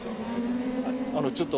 あのちょっと。